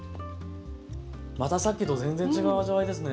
またさっきと全然違う味わいですね。